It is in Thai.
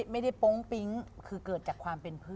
โป๊งปิ๊งคือเกิดจากความเป็นเพื่อน